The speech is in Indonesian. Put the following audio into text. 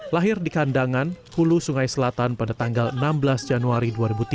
lahir di kandangan hulu sungai selatan pada tanggal enam belas januari dua ribu tiga